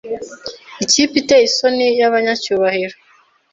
Ikipe iteye isoni yabanyacyubahiro